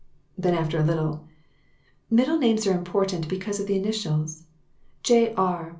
Then, after a little "Middle names are important because of the initials. 'J. R.'